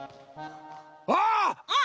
あっ！